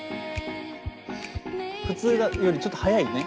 普通よりちょっと早いよね